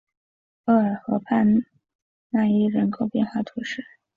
厄尔河畔讷伊人口变化图示